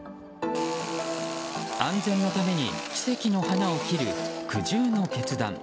安全のために奇跡の花を切る苦渋の決断。